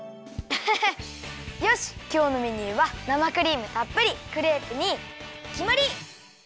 アハハよしきょうのメニューは生クリームたっぷりクレープにきまり！